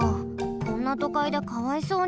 こんなとかいでかわいそうに。